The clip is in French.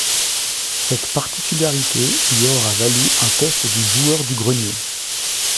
Cette particularité lui aura valu un test du Joueur du Grenier.